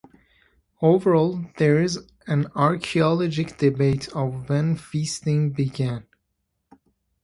Overall, there is an archaeological debate of when feasting began.